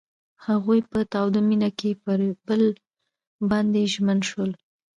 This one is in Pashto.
هغوی په تاوده مینه کې پر بل باندې ژمن شول.